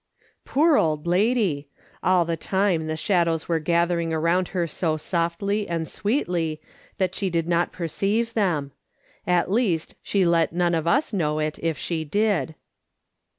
Poor old lady ! All the time the shadows were gathering around her so softly and sweetly that she did not perceive them. At least she let none of us know it if she did.